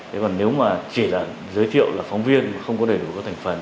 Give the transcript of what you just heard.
thế còn nếu mà chỉ là giới thiệu là phóng viên mà không có đầy đủ các thành phần